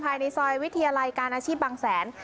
ภายในซอยวิทยาลัยการอาชีพบางแสน